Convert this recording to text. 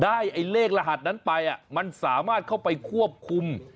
ไอ้เลขรหัสนั้นไปมันสามารถเข้าไปควบคุม